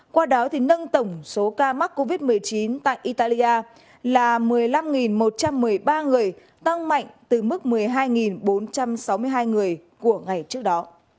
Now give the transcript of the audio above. qua đó nâng tổng số ca mắc covid một mươi chín tại italia là một mươi năm một trăm một mươi ba người tăng mạnh từ mức một mươi hai bốn trăm sáu mươi hai người của ngày trước đó